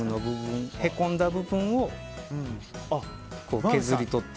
へこんだ部分を削り取っていく。